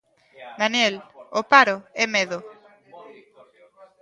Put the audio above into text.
Daniel: O paro é medo.